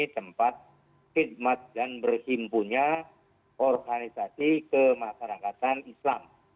tempat khidmat dan berhimpunya organisasi kemasyarakatan islam